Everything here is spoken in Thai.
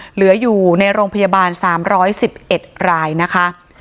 เหลืออยู่ในโรงพยาบาล๓๑๑รายนะคะ